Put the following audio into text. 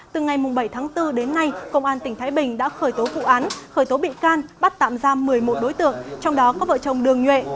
từ ngày bảy tháng bốn đến nay công an tỉnh thái bình đã khởi tố vụ án khởi tố bị can bắt tạm giam một mươi một đối tượng trong đó có vợ chồng đường nhuệ